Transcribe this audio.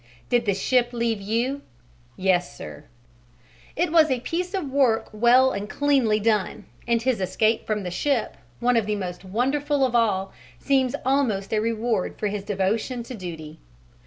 "Did the ship leave you?" "Yes, sir." It was a piece of work well and cleanly done, and his escape from the ship, one of the most wonderful of all, seems almost a reward for his devotion to duty.